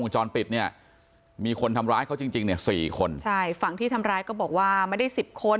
ใช่ฝั่งที่ทำร้ายก็บอกว่ามันได้สิบคน